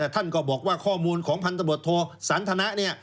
ท่านก็บอกว่าข้อมูลของพันธ์ตำรวจโทรศาลธนะ